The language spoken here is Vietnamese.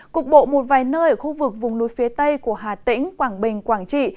cục bộ một vài nơi ở khu vực vùng núi phía tây của hà tĩnh quảng bình quảng trị